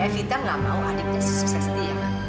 epita gak mau adiknya sesukses dia ma